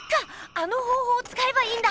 あの方ほうをつかえばいいんだ！